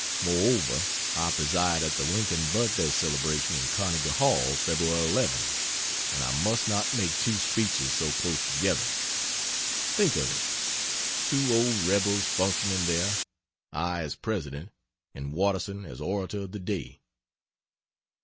Moreover I preside at the Lincoln birthday celebration in Carnegie Hall Feb. 11, and I must not make two speeches so close together. Think of it two old rebels functioning there I as President, and Watterson as Orator of the Day!